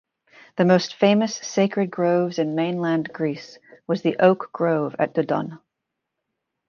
The most famous sacred groves in mainland Greece was the oak grove at Dodona.